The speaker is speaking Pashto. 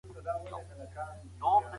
دا دوهم عدد دئ.